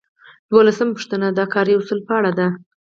دولسمه پوښتنه د کاري اصولو په اړه ده.